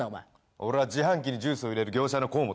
俺は自販機にジュースを入れる業者の河本だ。